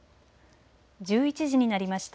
１１時になりました。